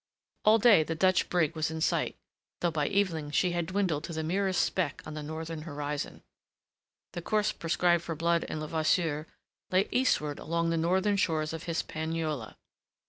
All day the Dutch brig was in sight, though by evening she had dwindled to the merest speck on the northern horizon. The course prescribed for Blood and Levasseur lay eastward along the northern shores of Hispaniola.